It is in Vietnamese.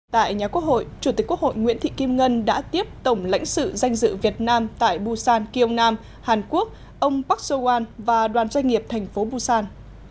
tại nhà quốc hội chủ tịch quốc hội nguyễn thị kim ngân đã tiếp tổng lãnh sự danh dự việt nam tại busan kiêung nam hàn quốc ông park sowan và đoàn doanh nghiệp thành phố busan